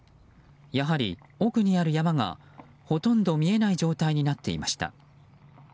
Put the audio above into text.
やはり奥にある山がほとんど見えない状態になっていました。